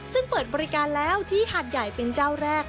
ซึ่งเปิดบริการแล้วที่หาดใหญ่เป็นเจ้าแรก